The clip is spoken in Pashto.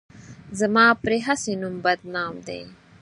زما پرې هسې نوم بدنام دی.